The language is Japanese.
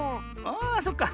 あそっか。